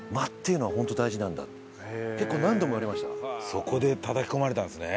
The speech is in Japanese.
そこでたたき込まれたんですね。